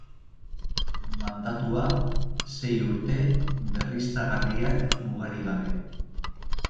Mandatua: sei urte, berriztagarriak mugarik gabe.